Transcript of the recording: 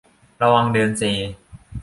ระวังเดินเซ